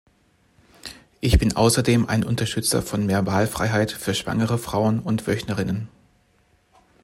Ich bin außerdem ein Unterstützer von mehr Wahlfreiheit für schwangere Frauen und Wöchnerinnen.